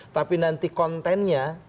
tapi nanti kontennya